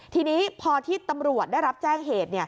ทีนี้พอที่ตำรวจได้รับแจ้งเหตุ